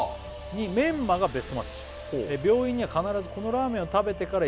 「にメンマがベストマッチ」「病院には必ずこのラーメンを食べてから行くのが」